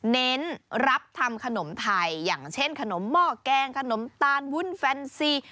เน้นรับทำขนมไทยอย่างเช่นขนมหม้อแกงขนมตาลวุ่นแฟนซี